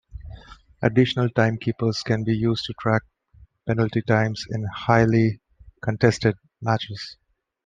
Additional timekeepers can be used to track penalty times in highly contested matches.